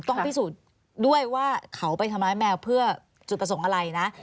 ต้องพิสูจน์ด้วยว่าเขาไปทำร้ายแมวเพื่อจุดประสงค์อะไรนะ